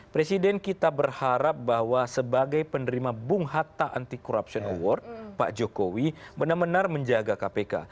presiden kita berharap bahwa sebagai penerima bung hatta anti corruption award pak jokowi benar benar menjaga kpk